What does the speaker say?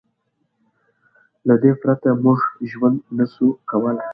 له دې پرته موږ ژوند نه شو کولی.